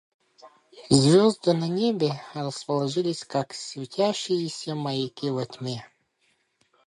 Звезды на небе расположились как светящиеся маяки во тьме.